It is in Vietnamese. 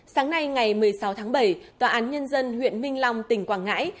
sáng nay ngày một mươi sáu tháng bảy tòa án nhân dân huyện minh long tỉnh quảng ngãi